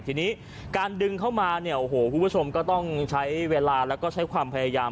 ทีนี้การดึงเข้ามาเนี่ยโอ้โหคุณผู้ชมก็ต้องใช้เวลาแล้วก็ใช้ความพยายาม